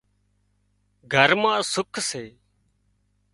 گھر مان سُک سي